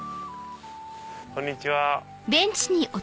こんにちは。